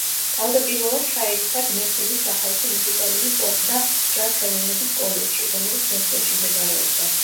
თავდაპირველად ჩაირიცხა გნესინის სახალხო მუსიკალური პოპ და ჯაზ ხელოვნების კოლეჯში, რომელიც მოსკოვში მდებარეობდა.